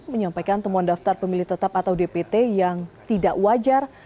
menyampaikan temuan daftar pemilih tetap atau dpt yang tidak wajar